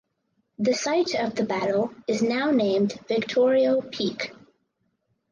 The site of the battle is now named Victorio Peak.